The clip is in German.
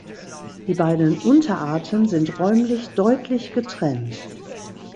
Die beiden Unterarten sind räumlich deutlich getrennt.